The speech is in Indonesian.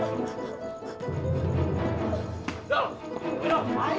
tuh lama gua ketok loh